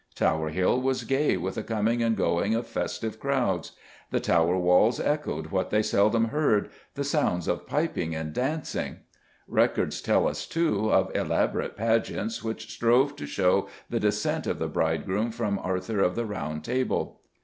Tower Hill was gay with the coming and going of festive crowds; the Tower walls echoed what they seldom heard the sounds of piping and dancing. Records tell us, too, of elaborate pageants which strove to show the descent of the bridegroom from Arthur of the Round Table.